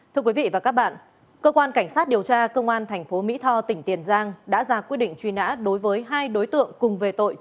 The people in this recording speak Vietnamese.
thưa quý vị và các bạn cơ quan cảnh sát điều tra công an thành phố mỹ tho tỉnh tiền giang đã ra quyết định truy nã đối với hai đối tượng cùng về tội